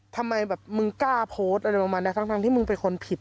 ทำไมแบบมึงกล้าโพสต์อะไรประมาณนี้ทั้งที่มึงเป็นคนผิด